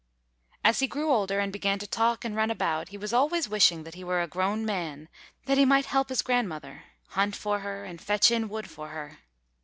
As he grew older and began to talk and run about, he was always wishing that he were a grown man, that he might help his grandmother, hunt for her and fetch in wood for her.